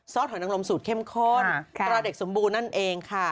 ซอสหอยนังลมสูตรเข้มข้นตาเดะสองบูนั่นเองค่ะ